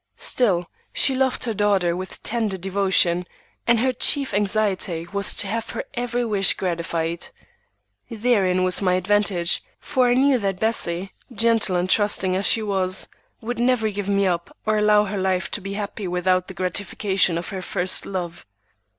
Still, she loved her daughter with tender devotion, and her chief anxiety was to have her every wish gratified. Therein was my advantage, for I knew that Bessie, gentle and trusting as she was, would never give me up or allow her life to be happy without the gratification of her first love.